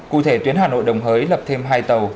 cụ thể tuyến hà nội đồng hới lập thêm hai tàu